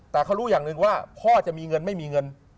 แต่เขารู้อย่างหนึ่งว่าพ่อจะมีเงินไม่มีเงิน